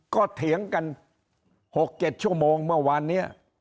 ก็เถียงกัน๖๗ชั่วโมงเมื่อวานนี้